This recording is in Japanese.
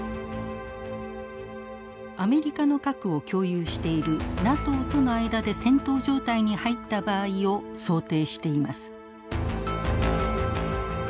アメリカの核を共有しているＮＡＴＯとの間で戦闘状態に入った場合を想定しています。